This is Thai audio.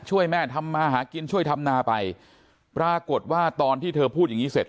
แม่ทำมาหากินช่วยทำนาไปปรากฏว่าตอนที่เธอพูดอย่างงี้เสร็จ